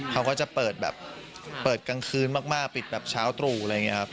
เขาก็จะเปิดแบบเปิดกลางคืนมากปิดแบบเช้าตรู่อะไรอย่างนี้ครับ